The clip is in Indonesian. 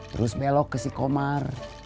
terus belok ke si komar